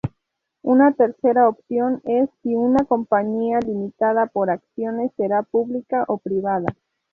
Una tercera opción es, si una compañía limitada por acciones será pública o privada.